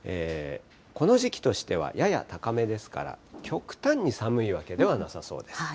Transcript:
この時期としてはやや高めですから、極端に寒いわけではなさそうです。